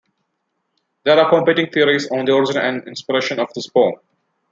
There are competing theories on the origin and inspiration of this poem.